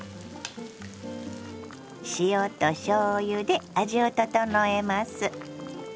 塩としょうゆで味を調えます。